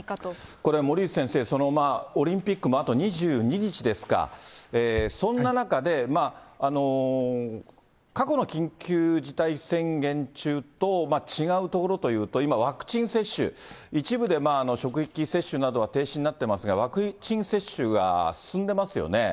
これ森内先生、オリンピックもあと２２日ですか、そんな中で、過去の緊急事態宣言中と違うところというと、今、ワクチン接種、一部で職域接種などは停止になってますが、ワクチン接種が進んでますよね。